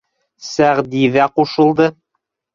Сәғди ҙә ҡушылды: